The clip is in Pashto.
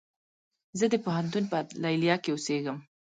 زه د پوهنتون په ليليه کې اوسيږم